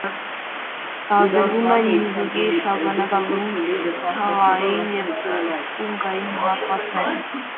Տարբերում են՝ միզուկի շագանակային, թաղանթային և սպունգային հատվածներ։